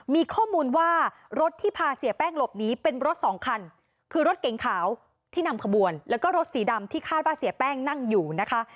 มีข้อมูลว่ารถที่พาเสียแป้งหลบหนีเป็นรถสองคันคือรถเก๋งขาวที่นำขบวนแล้วก็รถสีดำที่คาดว่าเสียแป้งนั่งอยู่นะคะ